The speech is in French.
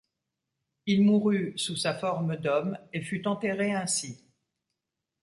Il mourut sous sa forme d'homme et fut enterré ainsi.